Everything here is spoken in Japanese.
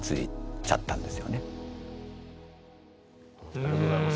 ありがとうございます。